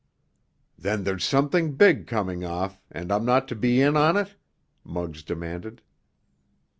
"Then there's something big coming off, and I'm not to be in on it?" Muggs demanded.